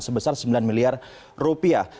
sebesar sembilan miliar rupiah